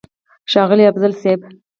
ښاغلی افضل صيب!!